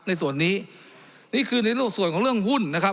ในส่วนนี้นี่คือในส่วนของเรื่องหุ้นนะครับ